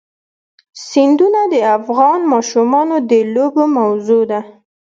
سیندونه د افغان ماشومانو د لوبو موضوع ده.